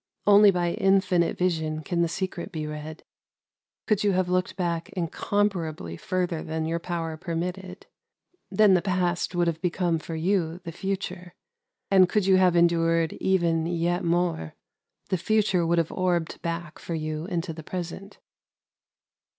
" Only by In finite Vision can the Secret be read. Could you have looked back incomparably further than your power permitted, then the Past would have become for you the Future. And could you have endured even yet more, the Future would have orbed back for you into the Present."